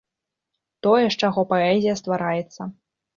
Тое, з чаго паэзія ствараецца.